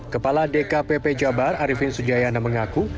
kepala dkpp jabar arifin sujayana mengaku